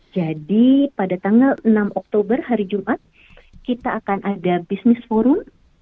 jadi pada tanggal enam oktober hari jumat kita akan ada bisnis forum